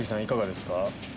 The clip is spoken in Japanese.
いかがですか？